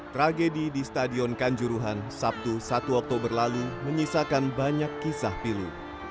tragedi di stadion kanjuruhan sabtu satu oktober lalu menyisakan banyak kisah pilu